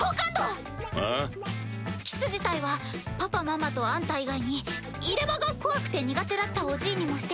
キス自体はパパママとあんた以外に入れ歯が怖くて苦手だったおじいにもしてて。